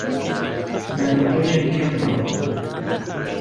نان و ئاویان کەم ماوە